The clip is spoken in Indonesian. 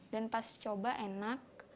dan pas coba enak